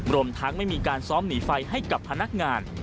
รวมทั้งไม่มีการซ้อมหนีไฟให้กับพนักงาน